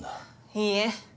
いいえ。